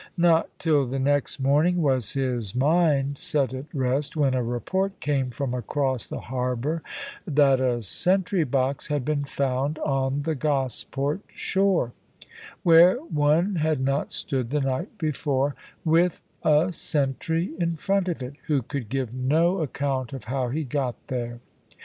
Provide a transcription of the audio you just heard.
Not till the next morning was his mind set at rest, when a report came from across the harbour that a sentry box had been found on the Gosport shore, where one had not stood the night before, with a sentry in front of it, who could give no account of how he got there.